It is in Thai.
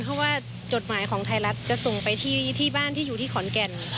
เพราะว่าจดหมายของไทยรัฐจะส่งไปที่บ้านที่อยู่ที่ขอนแก่น